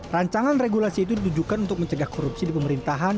rancangan regulasi itu ditujukan untuk mencegah korupsi di pemerintahan